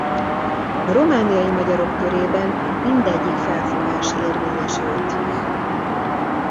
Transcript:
A romániai magyarok körében mindegyik felfogás érvényesült.